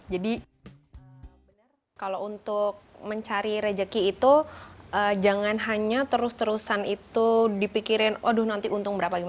jadi kalau untuk mencari rezeki itu jangan hanya terus terusan itu dipikirin aduh nanti untung berapa